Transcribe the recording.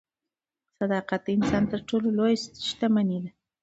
صداقت د انسان تر ټولو لویه شتمني ده.